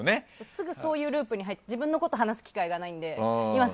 すぐそういうループに入って自分のことを話す機会がないので。